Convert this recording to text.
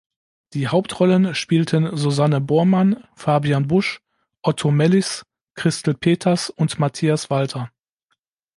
Die Hauptrollen spielten Susanne Bormann, Fabian Busch, Otto Mellies, Christel Peters und Matthias Walter.